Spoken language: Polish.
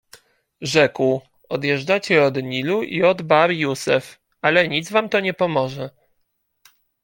Rzekł: — Odjeżdżacie od Nilu i od Bahr-Jussef, ale nic wam to nie pomoże.